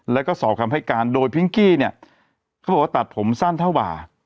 แล้วก็สอบคำให้การโดยพิงกี้เนี่ยเขาบอกว่าตัดผมสั้นเท่าบ่า